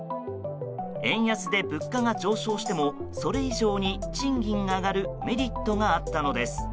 円安で物価が上昇してもそれ以上に賃金が上がるメリットがあったのです。